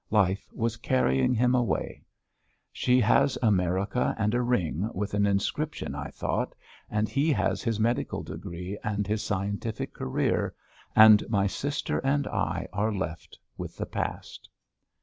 Life was carrying him away. She has America and a ring with an inscription, I thought, and he has his medical degree and his scientific career, and my sister and I are left with the past.